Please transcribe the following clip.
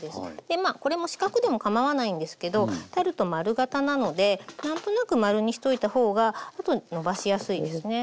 まあこれも四角でもかまわないんですけどタルト丸型なので何となく丸にしといた方がのばしやすいですね。